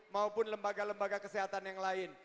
maupun lembaga lembaga kesehatan yang lain